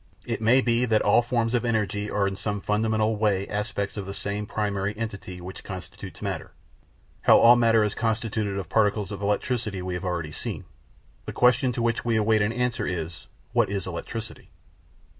It may be that all forms of energy are in some fundamental way aspects of the same primary entity which constitutes matter: how all matter is constituted of particles of electricity we have already seen. The question to which we await an answer is: What is electricity?